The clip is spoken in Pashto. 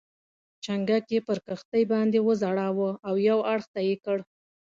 چنګک یې پر کښتۍ باندې وځړاوه او یو اړخ ته یې کړ.